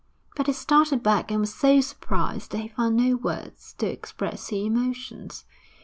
But he started back and was so surprised that he found no words to express his emotions.